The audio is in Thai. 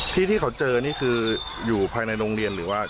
ที่เขาเจอนี่คืออยู่ภายในโรงเรียนหรือว่า